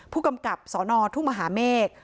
ผู้กำกับสนทุ่งมหาเมฆ